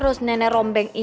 boleh dilihat tapi